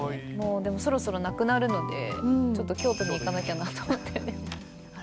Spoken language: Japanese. でもそろそろなくなるので、ちょっと京都に行かなきゃなと思あら？